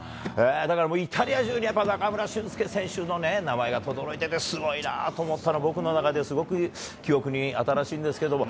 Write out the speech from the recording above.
だからもう、イタリア中に中村俊輔選手の名前がとどろいてて、すごいなと思ったの、僕の中ですごく記憶に新しいんですけれども。